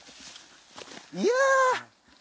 いや！